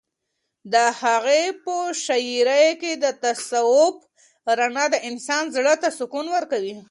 د هغه په شاعرۍ کې د تصوف رڼا د انسان زړه ته سکون ورکوي.